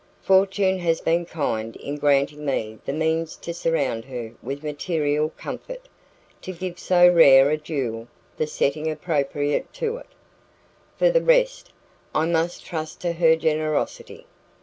"Fortune has been kind in granting me the means to surround her with material comfort to give so rare a jewel the setting appropriate to it; for the rest, I must trust to her generosity.